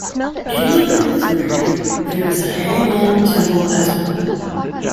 In the periphery, there is a Hanuman temple as well.